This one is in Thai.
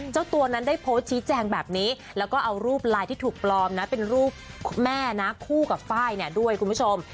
เจ้าตัวนั้นได้โพสต์ชี้แจงแบบนี้แล้วก็เอารูปไลน์ที่ถูกปลอมนะเป็นรูปแม่นะคู่กับไฟล์เนี่ยด้วยคุณผู้ชม